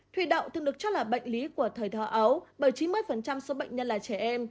thụy đạo thường được cho là bệnh lý của thời thơ ấu bởi chín mươi số bệnh nhân là trẻ em